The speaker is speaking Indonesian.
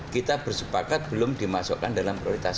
kita bersepakat belum dimasukkan dalam prioritas